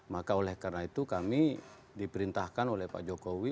maka oleh karena itu kami diperintahkan oleh pak jokowi